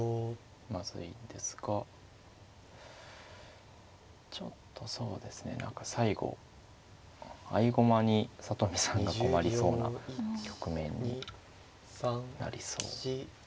まずいんですがちょっとそうですね何か最後合駒に里見さんが困りそうな局面になりそう。